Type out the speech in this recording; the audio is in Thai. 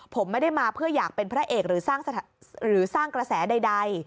ผมไม่ได้มาเพื่ออยากเป็นพระเอกหรือสร้างกระแสใด